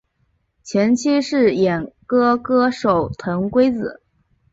前妻是演歌歌手藤圭子。